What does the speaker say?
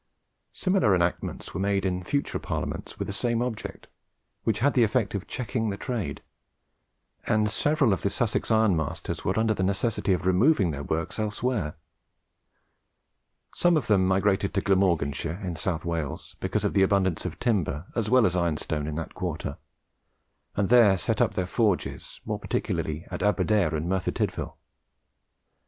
Similar enactments were made in future Parliaments with the same object, which had the effect of checking the trade, and several of the Sussex ironmasters were under the necessity of removing their works elsewhere. Some of them migrated to Glamorganshire, in South Wales, because of the abundance of timber as well as ironstone in that quarter, and there set up their forges, more particularly at Aberdare and Merthyr Tydvil. Mr.